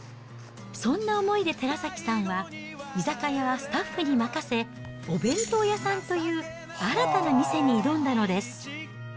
そんな思いで寺崎さんは、居酒屋をスタッフに任せ、お弁当屋さんという新たな店に挑んだのです。